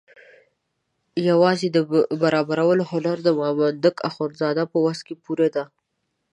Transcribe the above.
یوازې د برابرولو هنر د مامدک اخندزاده په وس پوره ده.